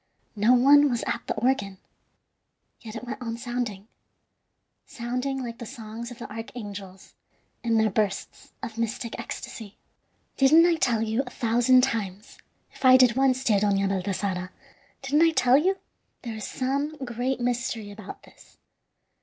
No one was at the organ, yet it went on sounding sounding like the songs of the archangels in their bursts of mystic ecstasy. "Didn't I tell you a thousand times, if I did once, dear Dona Baltasara didn't I tell you? There is some great mystery about this.